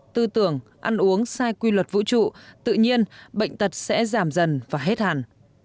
tư tưởng ăn uống sai quy luật vũ trụ tự nhiên bệnh tật sẽ giảm dần và hết hẳn